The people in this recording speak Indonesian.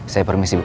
saya permisi bu